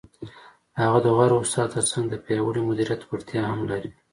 هغه د غوره استاد تر څنګ د پیاوړي مدیریت وړتیا هم لري.